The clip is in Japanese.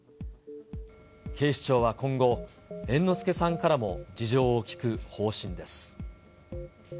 警視庁は今後、猿之助さんからも事情を聴く方針です。